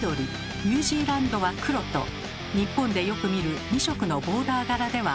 ニュージーランドは黒と日本でよく見る２色のボーダー柄ではありません。